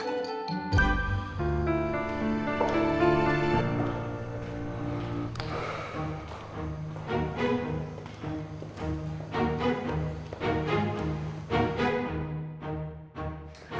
terpabos mau gak jadi emosi lagi ah